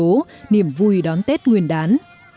các em vui đón tết nguyền đán